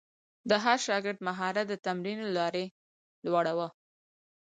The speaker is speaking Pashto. د هر شاګرد مهارت د تمرین له لارې لوړاوه.